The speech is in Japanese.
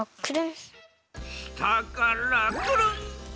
したからくるん！